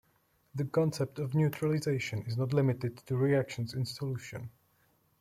The concept of neutralization is not limited to reactions in solution.